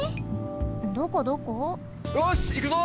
よしいくぞ！